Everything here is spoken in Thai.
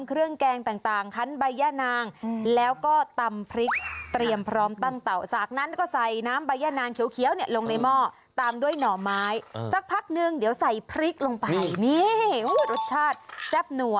เครื่องต้องมาค่ะคุณยาย